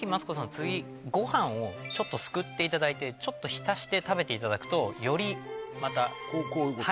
次ご飯をちょっとすくっていただいてちょっと浸して食べていただくとよりまたこういうこと？